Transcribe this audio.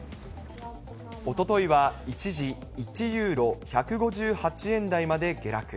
おとといは一時、１ユーロ１５８円台まで下落。